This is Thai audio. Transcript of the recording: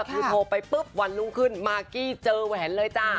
คือโทรไปปุ๊บวันรุ่งขึ้นมากี้เจอแหวนเลยจ้า